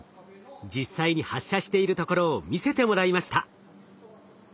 実際に発射しているところを見せてもらいました。